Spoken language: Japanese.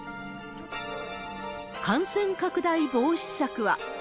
感染拡大防止策は。